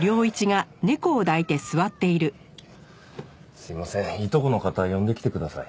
すいませんいとこの方呼んできてください。